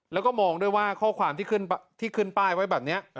แล้วก็มองด้วยว่าข้อความที่ขึ้นป้ายไว้แบบนี้